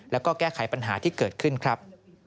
แล้วก็แก้ไขปัญหาที่เกิดขึ้นครับ